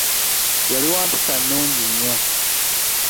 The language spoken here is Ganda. Yali wa mpisa nnungi nnyo.